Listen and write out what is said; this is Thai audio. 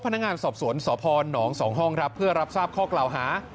พนักงานสอบสวนสพน๒ห้องครับเพื่อรับทราบข้อกล่าวหา